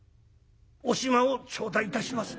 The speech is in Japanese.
「お暇を頂戴いたします」。